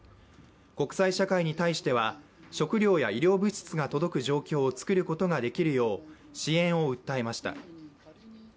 国際社会に対しては食糧や医療物資が届く状況を作ることができるよう、支援を訴えました。